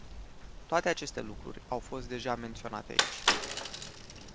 Toate aceste lucruri au fost deja menționate aici.